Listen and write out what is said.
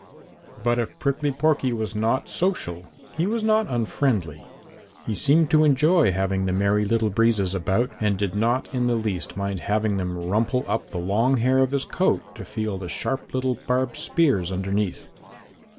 But if Prickly Porky was not social he was not unfriendly. He seemed to enjoy having the Merry Little Breezes about, and did not in the least mind having them rumple up the long hair of his coat to feel the sharp little barbed spears underneath.